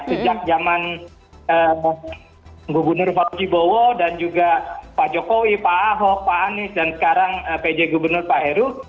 sejak zaman gubernur pakuji bowo dan juga pak jokowi pak ahok pak anies dan sekarang pj gubernur pak heru